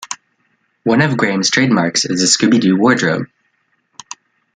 One of Graeme's trademarks is his Scooby-Doo wardrobe.